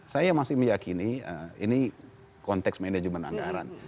saya masih meyakini ini konteks manajemen anggaran